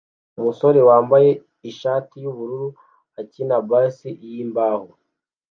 Umusore wambaye ishati yubururu akina bass yimbaho